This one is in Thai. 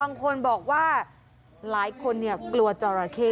บางคนบอกว่าหลายคนกลัวจอราเข้